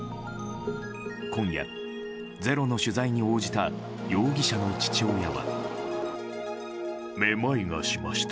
今夜「ｚｅｒｏ」の取材に応じた容疑者の父親は。